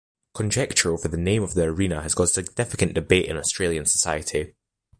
Conjecture over the name of the arena has caused significant debate in Australian society.